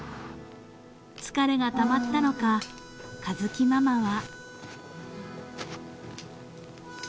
［疲れがたまったのか佳月ママは］